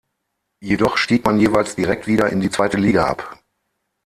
Jedoch stieg man jeweils direkt wieder in die zweite Liga ab.